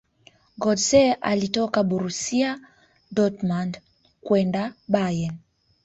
gotze alitoka borusia dortmund kwenda bayern